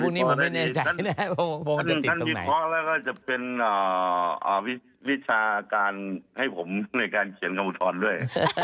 พรุ่งนี้ผมไม่แน่ใจนะครับผมว่าจะติดตรงไหนท่านวิเคราะห์แล้วก็จะเป็นวิชาการให้ผมในการเขียนคำอุทธรณ์ด้วย